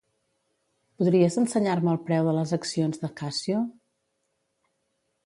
Podries ensenyar-me el preu de les accions de Casio?